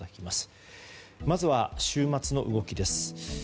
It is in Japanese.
まずは週末の動きです。